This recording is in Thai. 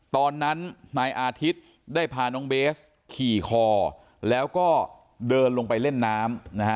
ตอนนั้นนายอาทิตย์ได้พาน้องเบสขี่คอแล้วก็เดินลงไปเล่นน้ำนะฮะ